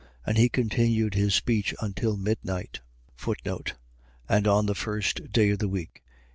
And he continued his speech until midnight. And on the first day of the week.